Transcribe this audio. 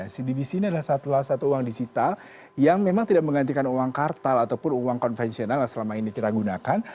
cdbc ini adalah satu uang digital yang memang tidak menggantikan uang kartal ataupun uang konvensional yang selama ini kita gunakan